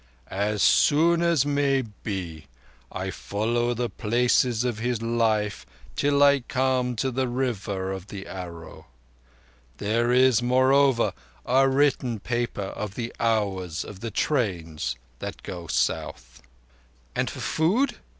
"As soon as may be. I follow the places of His life till I come to the River of the Arrow. There is, moreover, a written paper of the hours of the trains that go south." "And for food?"